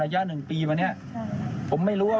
ใช่ครับ